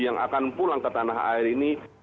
yang akan pulang ke tanah air ini